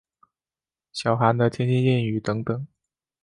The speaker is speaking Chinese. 小寒的天气谚语等等。